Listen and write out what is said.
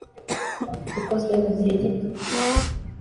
bikozwe mu gihe gito